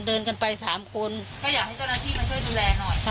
เดินกันไปสามคนก็อยากให้เจ้าหน้าที่มาช่วยดูแลหน่อยค่ะ